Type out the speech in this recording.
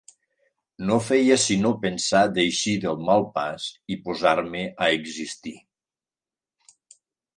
No feia sinó pensar d'eixir del mal pas i posar-me a existir.